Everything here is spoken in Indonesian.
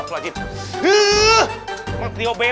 gak ada apa apa apa